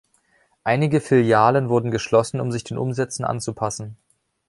Einige Filialen wurden geschlossen, um sich den Umsätzen anzupassen.